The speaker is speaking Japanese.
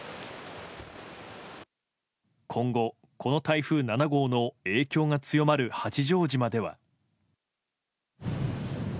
今後、この台風７号の影響が強まる八丈島では。